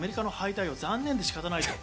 アメリカの敗退が残念で仕方がない。